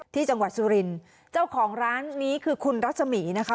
ที่จังหวัดสุรินทร์เจ้าของร้านนี้คือคุณรัศมีนะคะ